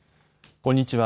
こんにちは。